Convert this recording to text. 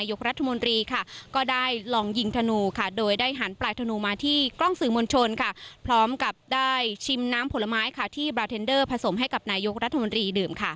ยกรัฐมนตรีค่ะก็ได้ลองยิงธนูค่ะโดยได้หันปลายธนูมาที่กล้องสื่อมวลชนค่ะพร้อมกับได้ชิมน้ำผลไม้ค่ะที่บราเทนเดอร์ผสมให้กับนายกรัฐมนตรีดื่มค่ะ